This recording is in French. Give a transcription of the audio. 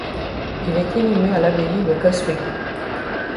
Il est inhumé à l'abbaye de Coswig.